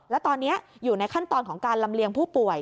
และตอนนี้อยู่ในขั้นตอนของการลำเลียงผู้ป่วย